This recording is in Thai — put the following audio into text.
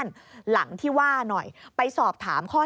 นี่ค่ะคุณผู้ชมพอเราคุยกับเพื่อนบ้านเสร็จแล้วนะน้า